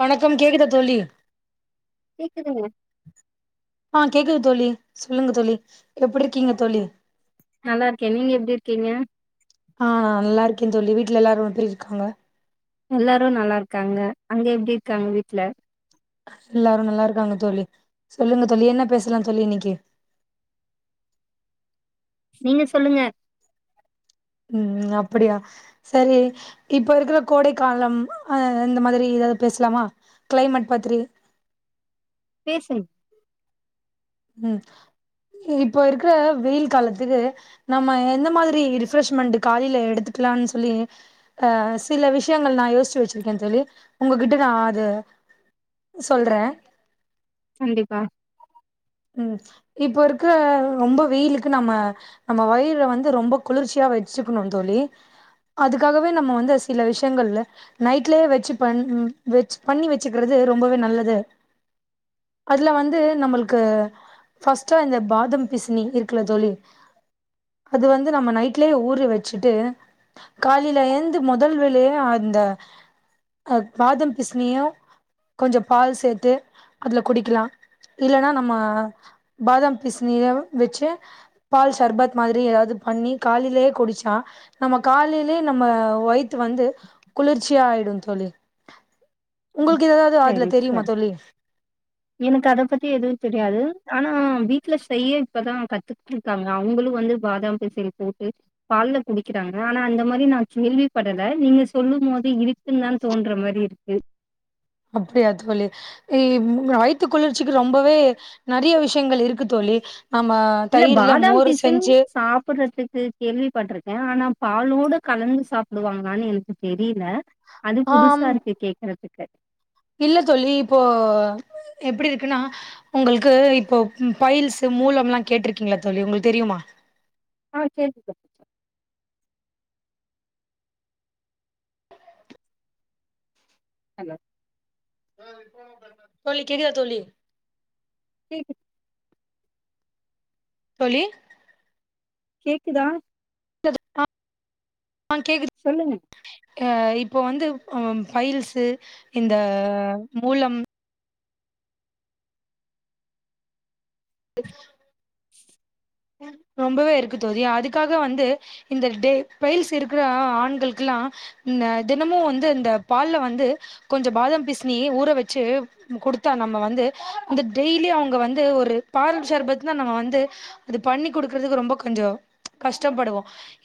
வணக்கம் கேக்குதா தோழி கேக்குதுங்க ஆ கேக்குது தோழி சொல்லுங்க தோழி எப்பிட்ருக்கீங்க தோழி நல்லாருக்கே நீங்க எப்டி இருக்கீங்க ஆ நா நல்லா இருக்கே தோழி வீட்ல எல்லாரு எப்டி இருக்காங்க எல்லாரு நல்லா இருக்காங்க அங்க எப்டி இருக்காங்க வீட்ல எல்லாரு நல்லா இருக்காங்க தோழி சொல்லுங்க தோழி என்ன பேசலா தோழி இன்னைக்கி நீங்க சொல்லுங்க ம் அப்டியா சேரி இப்ப இருக்கிற கோடைக்காலம் அ இந்த மாதிரி எதாவ்து பேசலாமா கிளைமட் பத்திரி பேசுங் ம் இப்ப இருக்கிற வெயில் காலத்துக்கு நம்ம எந்த மாதிரி ரிஃப்ரெஷ்மெண்ட்டு காலைல எடுத்துக்கலானு சொல்லி அ சில விஷ்யங்கள் நா யோசிச்சு வெச்சிருக்கே தோழி உங்ககிட்ட நா அத சொல்றே கண்டிப்பா ம் இப்ப இருக்குற ரொம்ப வெயிலுக்கு நம்ம நம்ம வயிற வந்து ரொம்ப குளிர்ச்சியா வெச்சுக்கணு தோழி அதுக்காகவே நம்ம வந்து சில விஷ்யங்கள்ல நைட்லே வெச்சு பண் வெச்சு பண்ணி வெச்சுக்கிறது ரொம்பவே நல்லது அதுல வந்து நம்மளுக் கு ஃபஸ்ட்டா இந்த பாதம் பிசுனி இருக்குல தோழி அது வந்து நம்ம நைட்லே ஊற வெச்சுட்டு காலைல எழ்ந்து மொதல் வேலையா அந்த அ பாதம் பிசினையு கொஞ்ச பால் சேத்து அதுல குடிக்கலா இல்லனா நம் மா பாதாம் பீசுனிலா வெச்சு பால் சர்பத் மாதிரி எதாவ்து பண்ணி காலைலே குடிச்சா நம்ம காலைலே நம்ம வய்த்து வந்து குளிர்ச்சியாயிடு தோழி ம். உங்களுக்கு எதாவ்து அதுல சரி தெரியுமா சரி தோழி எனக்கு அத பத்தி எதுவும் தெரியாது ஆனா வீட்ல செய்ய இப்பதா கத்துக்கிட் காங்க அவங்களும் வந்து பாதாம் பிசின் போட்டு பால்ல குடிக்கிறாங்க ஆனா அந்த மாதிரி நான் கேள்வி படல நீங்க சொல்லுமோது இருக் குன்னு தா தோன்ற மாரி இருக்கு அப்டியா தோழி இ வயித்து குளிர்ச்சிக்கு ரொம்பவே நறையா விஷியங்கள் இருக்கு தோழி ஆமா இல்ல பாதாம் பிசின் சாப்படறதுக்கு கேள்விப்பட்டுருக்கன் ஆனா பாலோடு கலந்து சாப்புடுவாங்களான்னு எனக்கு தெரியில அது ஆம் புதுசா இருக்கு கேக்கறதுக்கு இல்ல தோழி இப்போ எப்டி இருக்குன்னா உங்களுக்கு இப்போ பைல்ஸ் மூலம்லா கேட்டுருக்கீங்ளா தோழி உங்களுக்கு தெரியுமா ஆ கேள்விப்பட் அல்ல தோழி கேக்குதா தோழி கேக்கு தோழி கேக்குதா ஆ கேக்குது சொல்லுங்க ஆ இப்போ வந்து பைல்ஸ்சு இந்த மூலம் ச [inaudible] ரொம்பவே இருக்கு தோழி அதுக்காக வந்து இந்த டே பைல்ஸ் இருக்கற ஆண்களுக்குலாம் இந்த தினமும் வந்து இந்த பால்ல வந்து கொஞ்சம் பாதாம் பிசினி ஊற வச்சி நம்ம குடுத்தா நம்ம வந்து இந்த டெய்லியு அவுங்க வந்து ஒரு பால் சர்பத்துனா நம்ம வந்து அது பண்ணி குடுக்குறதுக்கு ரொம்ப கொஞ்சம் கஷ்டப்படுவோ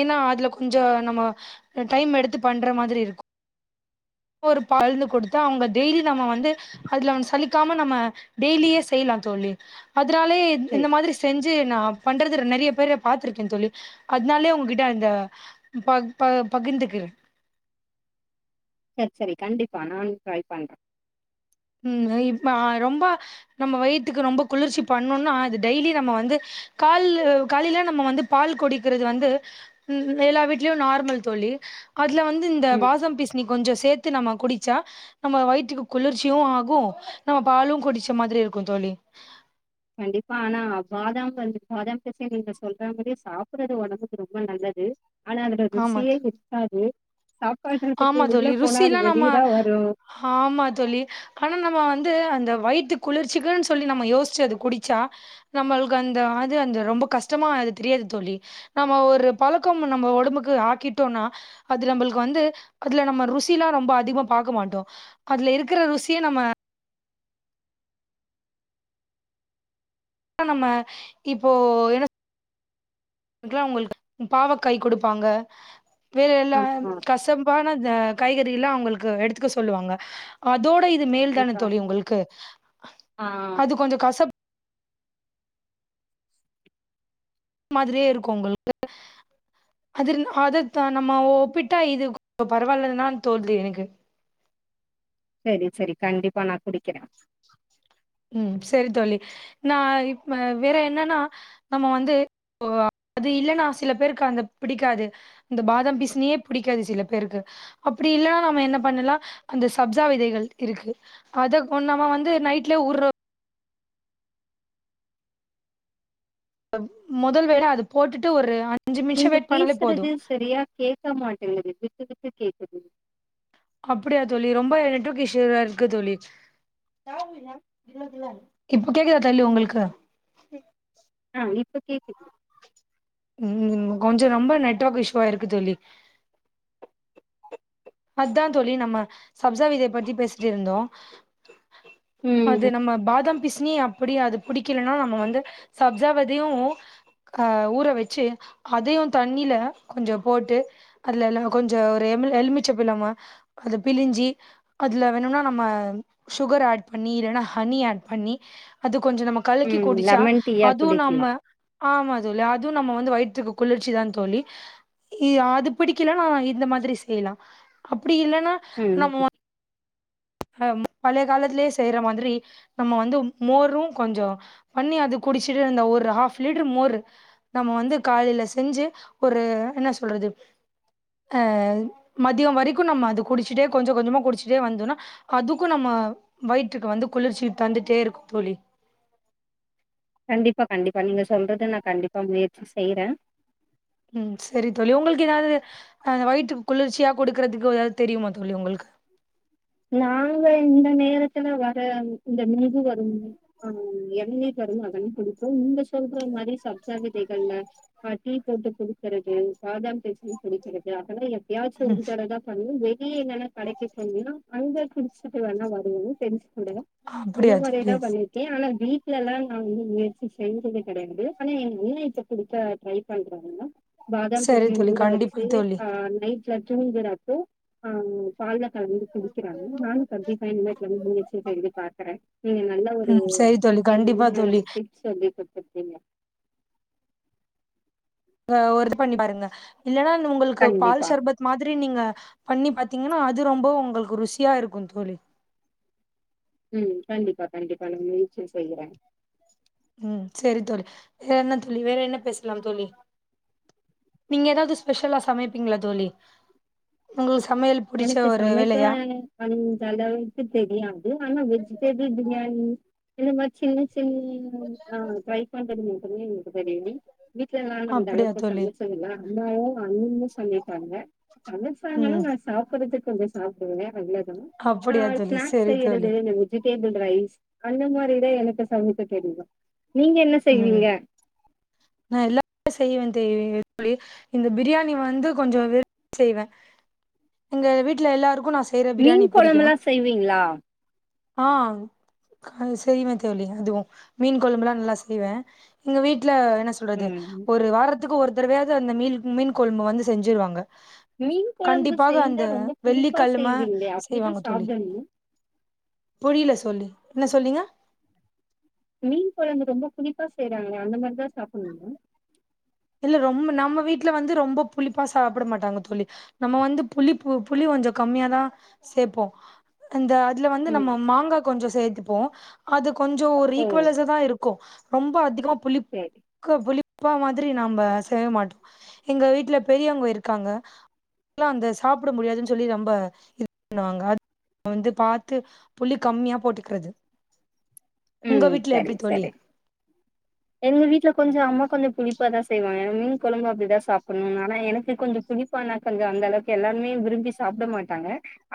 ஏனா அதுல கொஞ்சம் நம்ம டைம் எடுத்து பண்ற மாதிரி இருக்கும் ஒரு பாழ்ந்து குடுத்து அவுங்க டெய்லி நம்ம வந்து அதுல சலிக்காம நம்ம டெய்லியே செய்யலா தோழி அதனாலே இந்த சேரி மாதிரி சேரி செஞ் சி நா பண்றது நெறையா பேர பாத்துருக்கேன் தோழி அதனாலே உங்ககிட்ட அந்த பக் ப பகிர்ந்துக்கிற செரி செரி கண்டிப்பா நானும் ட்ரை பண்றன் ம் இப்ப ஆ ரொம்ப நம்ம வயித்துக்கு ரொம்ப குளிர்ச்சி பண்ணுன்னா இது டெய்லி நம்ம வந்து கால்லு காலையில நம்ம வந்து பால் குடிக்கிறது வந்து ம் எல்லா வீட்லயும் நார்மல் தோழி அதுல வந்து இந்த ம் பாதாம் பீஸ்னி கொஞ்சோம் சேத்து நம்ம குடிச்சா நம்ம வயித்துக்கு குளிர்ச் சியும் ஆகும் நம்ம பாலும் குடிச்ச மாதிரி இருக்கும் தோழி கண்டிப்பா ஆனா பாதாம் வந்து பாதாம் பிசின் நீங்க சொல்ற மாரியே சாப்பறது ஒடம்புக்கு ரொம்ப நல்லது ஆனா அதுல ஆமா ருசியே இருக்காது சாப்பாடறதுக்கு ஆமா உள்ள தோழி போனா அது ருசிலாம் நம்ம வெளிய தா வரும் ஆமா தோழி ஆனா நம்ம வந்து அந்த வயித்து குளிர்ச்சிக்குன்னு சொல்லி நம்ம யோசிச்சி அது குடிச்சா நம்மளுக்கு அந்த அது அந்த ரொம்ப கஷ்டமா அது தெரியாது தோழி நம்ம ஒரு பழக்கம் நம்ம ஒடம்புக்கு ஆக்கிட்டோன்னா அது நம்பளுக் கு வந்து அதுல நம்ம ருசில்லா ரொம்ப அதிகமா பாக்க மாட்டோம் அதுல இருக்கற ருசிய நம்ம அ நம்ம இப்போ என்ன க்கலா உங்களுக் பாவக்காய் குடுப்பாங்க வேற எல்லா ஆமா கஷப்பான த காய்கறில்லா அவுங்களுக்கு எடுத்துக்க சொல்லுவாங்க அதோட இது மேல் தானே கண்டிப்பா தோழி உங்கள்க்கு ஆ அது கொஞ்ச கசப் மாதிரியே இருக்கு உங்க [inaudible] அதுர்ன அது தா நம்மோ ஓ ஒப்பிட்டா இது பரவாயில்லன் தா தோன்து எனக்கு செரி செரி கண்டிப்பா நான குடிக்கிறே ம் சரி தோழ்ழி நா இப்ப வேற என்னன்னா நம்ம வந்து இப்போ அது இல்லன்னா சில பேருக்கு அந்த பிடிக்காது இந்த பாதாம் பீசினியே புடிக்காது சில பேருக்கு அப்டி இல்லன்னா நம்ம என்ன பண்ணலா அந்த சப்ஜா விதைகள் இருக்கு அத ஒண்ணா நாம வந்து நைட்லயே ஊர்ற முதல் வேள அது போட்டுட்டு ஒரு அஞ்சு நிமிஷ நீங்க வெயிட் பண்ணாலே போது பேசுறது சரியா கேக்க மாட்டேங்குது விட்டு விட்டு கேக்குது அப்படியா தோழி ரொம்ப நெட்ஒக் இஸ்ஸுவா இருக்கு தோழி இப்ப கேக்குதா தோழி உங்களுக்கு ஆ இப்ப கேக்குது ம் கொஞ்ச ரொம்ப நெட்வொர்க் இஷ்வா இருக்கு தோழி அத்தா தோழி நம்ம சப்ஜா விதை பத்தி பேசிட்டு இருந்தோ அது ம் நம்ம பாதாம் பிசினி அப்படி அது பிடிக்கலன்னா நம்ம வந்து சப்ஜாவதியு அ ஊற வெ சு அதையு தண்ணில கொஞ்ச போட்டு அதுல எல கொஞ்ச ஒரு எம்ல் எலுமிச்சபழமா அத பிழிஞ்சி அதுல வேணுன்னா நம்ம சுகர் ஆட் பண்ணி இல்லைன்னா ஹனி ஆட் பண்ணி அது கொஞ்ச நமக் கலக்கி ம் குடிச்சா லெமன் டீயா அதுவு குடிக்கலா நம்ம ஆமா அதுல அது இதுவு நம்ம வந்து வயிற்றுக்கு குளிர்ச்சி தா தோழி இ அ அது பிடிக்கலனா இந்த மாதிரி செய்யலா அப்டி இல்லன்னா ம் அ பழைய காலத்திலே செய்யற மாதிரி நம்ம வந்து மோர்ரு கொஞ்சோ பண்ணி அது குடிச்சுட்டு இருந்த ஒரு ஹாப் லிட்டர் மோர் நம்ம வந்து காலையில செஞ்சு ஒரு என்ன சொல்றது அ மதியோ வரைக்கு நம்ம அது குடிச்சுட்டே கொஞ்ச கொஞ்சமா குடிச்சிட்டே வந்தோன்னா அதுக்கு நம்ம வயிற்றுக்கு வந்து குளிர்ச்சி தந்துட்டே இருக்கு தோழி கண்டிப்பா கண்டிப்பா நீங்க சொல்றது நா கண்டிப்பா முயற்சி செய்யறே ம் செரி தோழி உங்களுக்கு எதாவ்து அ வயிற்றுக் குளிர்ச்சியா குடுக்குறதுக்கு எதாவ்து தெரியுமா தோழி உங்கள்க்கு நாங்க இந்த நேரத்துல வர இந்த நொங்கு வரு ஆ என்னி பெருமகன் குடிக்கு இந்த சொல்ற மாதிரி சப் ஜா விதைகள்ல ஆஹ டீ போட்டு குடிக்கரது பாதாம் பிசின் குிடிக்கிறது அதல்லா எப்பயாச்சு உ ம் தடதா பண்ணு வெளியே எங்கன்னா கடைக்கு போன்னா அங்க குிடிச்சுட்டு வேணா வரு பிரெண்ட்ஸ் கூட அந்த அப்படியா மாரிதா தோழி பண்ணிர் கே ஆனா வீட்ல எல்லா நா [unintelligible] வெச்சு செஞ்சது கெடையாது ஆனா என் [unintelligible] குடிக்க ட்ரை பண்றாங்னா பாதாம் சரி பிசின் தோழி ஊற கண்டிப்பா வச்சு தோழி ஆ நைட் ல தூங்குறப்போ ஆ பால்ல கலந்து குடிக்கிறாங்க நானு டொன்ட்டி ஃபைவ் மினிட்ஸ் ஊற வெச்சு செஞ்சு பாக்கறே நீங்க நல்ல ‌ஒரு ம் சரி தோழி கண்டிப்பா தோழி [unintelligible] டிப்ஸ் வந்து கொடுத்திருக்கீங்க அ ஒருக் பண்ணி பாருங்க இல்லன்னா உங்களுக்கு பால் கண்டிப்பா சர்பத் மாதிரி நீங்க பண்ணி பாார்த்தீங்கன்னா அது ரொம்ப உங்களுக்கு ருசியா இருக்கூ தோழி ம் கண்டிப்பா கண்டிப்பா நான் முயர்ச்சி செய்யறே ம் சரி தோழி வேற என்ன தோழி வேற என்ன பேசலா தோழி நீங்க ஏதாவது ஸ்பெஷலா சமைப்பீங்களா தோழி உங்களுக்கு சமையல் புடிச்ச எனக்கு ஒரு சமய்க்க வேலையா அந்தளவுக்கு தெரியாது ஆனா வெஜிடேபிள் பிரியாணீ இல்லம்மா சின்ன சின் ம் ஆ ட்ரை பண்றது மட்டுமே எங்களுக்கு தெரியூ வீடல இருந்தாலூ அப்படியா இந்தளவுக் தோழி சமைச்சி இல்ல அண்ணாவூ அண்ணியூ சமைப்பாங்க சமைச்சாங்கனா ம் நா சாப்பறதுக்கு கொஞ்சோ சாப்படுவே அவ்ளேதா ஆ அப்படியா தோழி ஸ்நாக்ஸ் சரி தோழி செய்யறத்து எங் வெஜிடேபிள் ரைஸ் அந்த மாதிரிதா எனக்கு சமைக்க தெரியூ நீங்க என்ன செய்வீங்க நா எல்லாமே செய்வே தேய்வ தோழி இந்த பிரியாணி வந்து கொஞ்சோ விரு செய்வே எங்க வீட்ல எல்லாருக்கூ நா செய்ற மீன் பிரியாணி பிடிக்கூ கொழம்புலா செய்வீங்களா ஆ க சொய்வே தோளி அதுவூ மீன் குழம்புல்லா நல்லா செ ய்வே எங்க வீட்ல என்ன சொல்றது ம் ஒரு வாரத் துக்கு ஒரு தடவையாவது அந்த மீன் மீன் கொழும்பு வந்து செஞ்சிருவாங்க மீன் கொழம்பு கண்டிப்பாக அந்த செய்தா ரொம்ப வெள்ளிக் புளிப்பா கலம செய்வீங்களே அப்டிதா செய்வாங்க தோழி சாப்டணுமா புரியல சோலி என்ன சொன்னீங்க மீன் கொழம்பு ரொம்ப புளிப்பா செய்யறாங்களே அந்த மாரிதா சாப்பிட்ணுமா இல்ல ரொம்ப நம்ம வீட்ல வந்து ரொம்ப புளிப்பா சாப்பிட மாட்டாங்க தோளி நம்ம வந்து புளிப்பு புளி கொஞ்சோ கம்மியாதா சேப்போ அந்த அதுல வந்து ம் நம்ம மாங்கா கொஞ்சோ சேர்த்துப்போ அது கொஞ்சோ ஒரு ஓ ஈக்குவல்லைஸா தா இருக் கோ ரொம்ப அதிகமா புளிப் ம் க்கோ புளிப்பா மாதிரி நாம்ப செய்ய மாட் எங்க வீட்டுல பெரியவங்க இருக்காங்க இல்ல அந்த சாப்பிட முடியாதுன்னு சொல்லி ரொம்ப இது பண்ணுவாங்க வந்து பாத்து புளி கம்மியா போட்டுக்கிறது உங்க ம் வீட்ல எப்டி சரி தோழி சரி எங்க வீட்ல கொஞ்சோ அம்மா கொஞ்ச புளிப்பா தா செய்வாங்க மீன் கொழம்பு அப்படிதா சாப்பிட்ணூ ஆனா எனக்கு கொஞ்சோ புளிப் ப்பானாக்கா கொஞ்சோ அந்த அளவுக்கு எல்லாருமே விரும்பி சாப்பிட மாட்டாங்க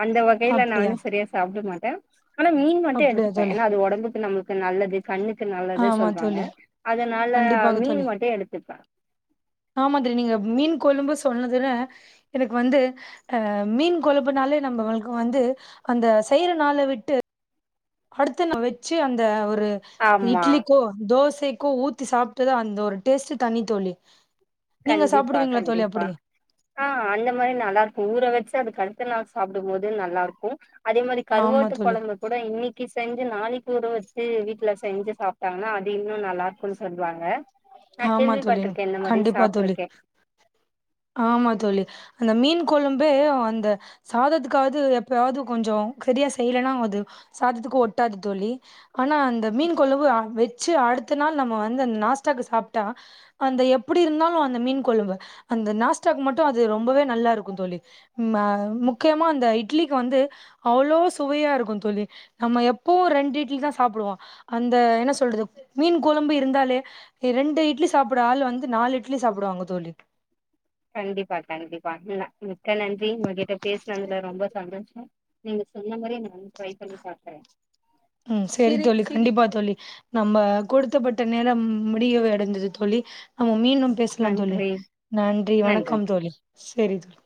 அந்த வகையில அப்டியா நானூ செரியா சாப்பிட மாட்டே ஆனா மீன் மட்டூ அப்டியா எடுத்துப்பே தோழி ஏன்னா அது ஒடம்புக் கு நம்மளுக்கு நல்லது கண்ணுக்கு நல்லது ஆமா சொல்வாங்க தோழி அதனால கண்டிப்பாக மீன் மட்டூ எடுத்துப்பே ஆ மாதிரி நீங்க மீன் கொழும்பு சொன்னதுல எனக்கு வந்து ஆ மீன் கொழப்புனாலே நம்ம வளுக்கு வந்து அந்த செயிற நாள விட்டு அடுத்த நா வெச்சி அந்த ஒரு ஆமா இட்லிக்கோ தோசைக்கோ ஊத் தி சாப்ட்டத அந்த ஒரு டேஸ்ட்ட் தனி தோழி நீங்க கண்டிப்பா சாப்பிடுவீங்களா தோழி கண்டிப்பா அப்படி ஆ அந்த மாதிரி நல்லா இருக்கூ ஊற வச்சு அது அடுத்து நாள் சாப்பிடும் போது நல்லா இருக்கூ அதே மாதிரி ஆமா கருவாட்டு தோழி குழம்பு கூட இன்னிக்கு செஞ்சு நாளைக்கு ஊற வச்சு வீட்டுல செஞ்சு சாப்ட்டாங்ன்னா அது இன்னு நல்லா இருக்கோ சொல்வாங்க நா ஆமா தோலீன் கேள்விப்பட்ருக்கே இந்த மாரி கண்டிப்பா தோழி சாப்ட்ருக்கே ஆமா தோழி அந்த மீன் கொழும்பே அந்த சாதத்துக்காவ்து எப்பயாவ்து கொஞ்சோ சரியா செய்யலன்னா அது சாதத்துக்கு ஒட்டாது தோழி ஆனா அந்த மீன் கொழம்பு வச்சு அடுத்த நாள் நம்ம வந்து அந்த நாஸ்டாக்கு சாப்ட்டா அந்த எப்டி இருந்தாலு அந்த மீன் கொழம்பு அந்த நாஸ்டாக்கு மட்டு அது ரொம்பவே நல்லா இருக்கு தோழி முக்யமா அந்த இட்லிக்கு வந்து அவ்ளோ சுவையா இருக்கு தோழி நம்ம எப்பவு ரெண்டு இட்லி தா சாப்டுவோ அந்த என்ன சொல்றது மீன் கொழம்பு இருந்தாலே ரெண்டு இட்லி சாப்புட்ற ஆளு வந்து நாலு இட்லி சாப்டுவாங்க தோழி கண்டிப்பா கண்டிப்பா மிக்க நன்றி உங்ககிட்ட பேசுனதுல ரொம்ப சந்தோஷ நீங்க சொன்ன மாரியே நா ட்ரை பண்ணி பாக்குறே ம் சேரி தோழி கண்டிப்பா தோழி நம்ம கொடுத்தப்பட்ட நேரோ முடியவை அடைந்தது தோழி நம்ம மீண்டும் பேசலா தோழி நன்றி நன்றி வணக்கம் தோழி செரி தோழி